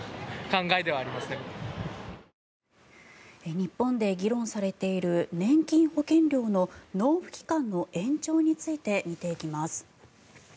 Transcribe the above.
日本で議論されている年金保険料の納付期間の延長について見ていきます。